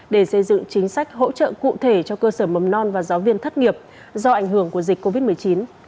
để xây dựng chính sách hỗ trợ cụ thể cho cơ sở mầm non và giáo viên thất nghiệp do ảnh hưởng của dịch covid một mươi chín